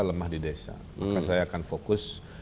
lemah di desa maka saya akan fokus